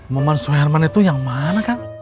maman si herman itu yang mana kang